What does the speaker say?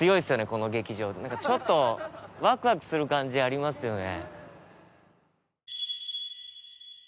この劇場ちょっとワクワクする感じありますよね